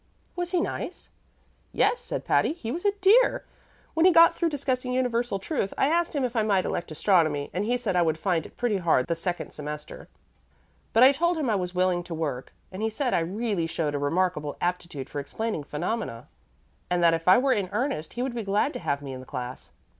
"Was he nice?" "Yes," said Patty; "he was a dear. When he got through discussing Universal Truth, I asked him if I might elect astronomy, and he said I would find it pretty hard the second semester; but I told him I was willing to work, and he said I really showed a remarkable aptitude for explaining phenomena, and that if I were in earnest he would be glad to have me in the class."